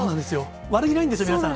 悪気ないんですよ、皆さん。